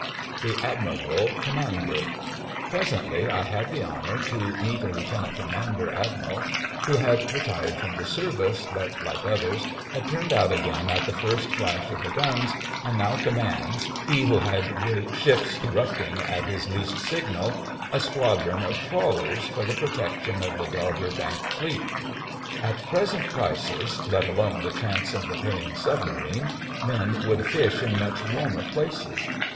THE ADMIRABLE COMMANDER Presently I had the honour to meet a Lieutenant Commander Admiral who had retired from the service, but, like others, had turned out again at the first flash of the guns, and now commands— he who had great ships erupting at his least signal — a squad THE FRINGES OF THE FLEET 97 ron of trawlers for the protection of the Dogger Bank Fleet. At present prices — let alone the chance of the paying submarine — men would fish in much w^armer places.